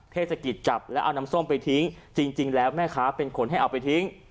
เทศกิจจับแล้วเอาน้ำส้มไปทิ้งจริงแล้วแม่ค้าเป็นคนให้เอาไปทิ้ง